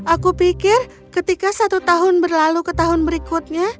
aku pikir ketika satu tahun berlalu ke tahun berikutnya